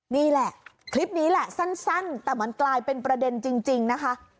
นี่แหละคลิปนี้แหละสั้นแต่มันกลายเป็นประเด็นจริงนะคะ